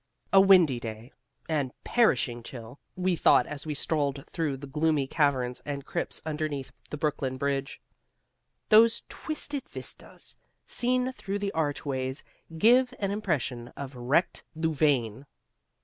A windy day, and perishing chill, we thought as we strolled through the gloomy caverns and crypts underneath the Brooklyn Bridge. Those twisted vistas seen through the archways give an impression of wrecked Louvain.